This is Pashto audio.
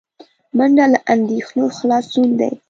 منډه له اندېښنو خلاصون دی